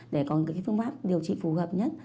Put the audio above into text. để có những phương pháp điều trị phù hợp nhất